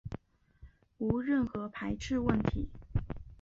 无任何排斥问题